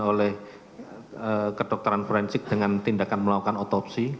oleh kedokteran forensik dengan tindakan melakukan otopsi